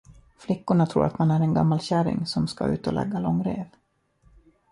Flickorna tror att man är en gammal käring som skall ut och lägga långrev.